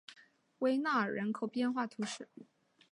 利纳尔人口变化图示